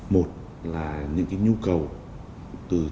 một là những nhu cầu từ chính nhà đầu tư đó